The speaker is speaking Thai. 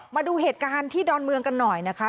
มาดูเหตุการณ์ที่ดอนเมืองกันหน่อยนะคะ